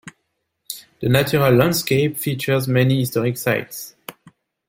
The natural landscape features many historic sites.